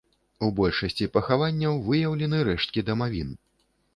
У большасці пахаванняў выяўлены рэшткі дамавін.